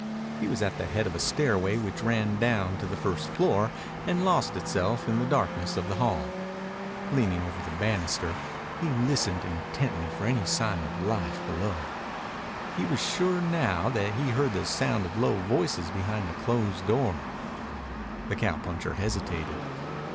He was at the head of a stairway which ran down to the first floor and lost itself in the darkness of the hall. Leaning over the banister, he listened intently for any sign of life below. He was sure now that he heard the sound of low voices behind a closed door. The cowpuncher hesitated.